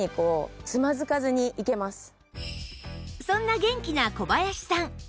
そんな元気な小林さん